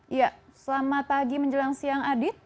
iya selamat pagi menjelang siang adit